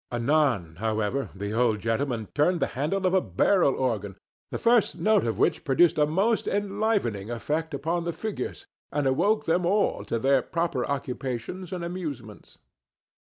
Anon, however, the old gentleman turned the handle of a barrel organ, the first note of which produced a most enlivening effect upon the figures and awoke them all to their proper occupations and amusements.